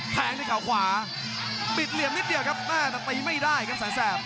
แทงในเขาขวาบิดเหลี่ยมนิดเดียวครับแต่ตีไม่ได้ครับแสนแทรพ